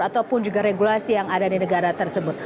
ataupun juga regulasi yang ada di negara tersebut